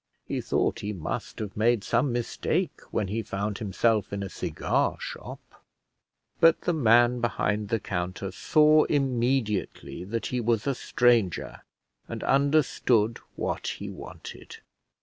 He thought he must have made some mistake when he found himself in a cigar shop, but the man behind the counter saw immediately that he was a stranger, and understood what he wanted.